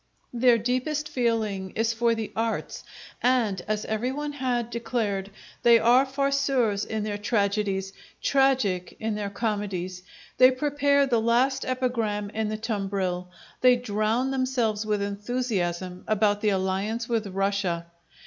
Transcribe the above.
Their deepest feeling is for the arts; and, as everyone had declared, they are farceurs in their tragedies, tragic in their comedies. They prepare the last epigram in the tumbril; they drown themselves with enthusiasm about the alliance with Russia.